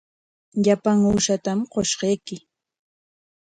Llapan uushatam qushqayki.